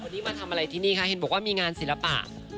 วันนี้มาทำอะไรที่นี่คะเห็นบอกว่ามีงานศิลปะ